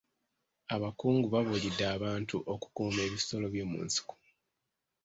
Abakungu babuulidde abantu okukuuma ebisolo by'omu nsiko.